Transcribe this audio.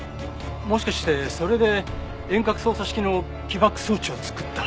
もしかしてそれで遠隔操作式の起爆装置を作った。